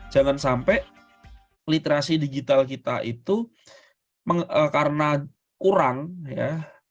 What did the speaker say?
jangan sampai literasi digital kita itu karena kurang ya